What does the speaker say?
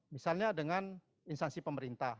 misalnya dengan instansi pemerintah